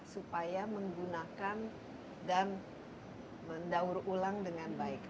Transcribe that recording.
supaya menggunakan dan mendaur ulang dengan baik